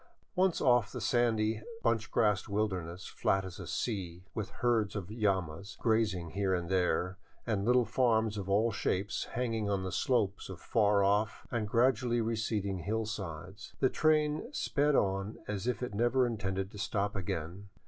Once off across the sandy, bunch grass wilderness, flat as a sea, with herds of llamas grazing here and there, and little farms of all shapes hanging on the slopes of far off and gradually receding hillsides, the train sped on as if it never intended to stop again.